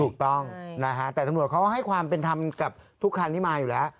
ถูกต้องนะฮะแต่ตำรวจเขาก็ให้ความเป็นธรรมกับทุกคันที่มาอยู่แล้ว